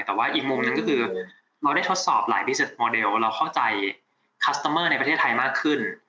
แต่ว่าอีกมุมหนึ่งก็คือเราได้ทดสอบหลายปีเสร็จโมเดลเราเข้าใจคัสเตอร์เมอร์ในประเทศไทยมากขึ้น